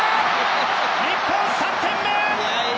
日本、３点目！